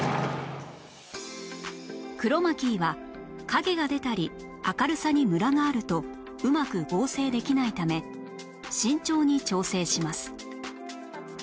クロマキーは影が出たり明るさにムラがあるとうまく合成できないため慎重に調整します